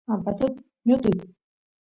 ampatut ñutuy